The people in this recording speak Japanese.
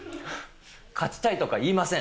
勝ちたいとか言いません。